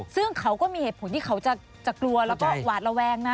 ซึ่งเขาก็มีเหตุผลที่เขาจะกลัวแล้วก็หวาดระแวงนะ